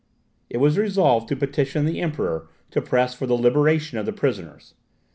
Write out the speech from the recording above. It was resolved to petition the Emperor to press for the liberation of the prisoners.